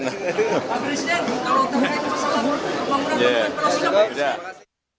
pak presiden kalau terlalu selalu kemudian perusahaan